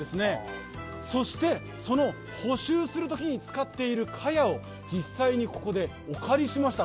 そしてその補修するときに使っているかやを、実際にここでお借りしました。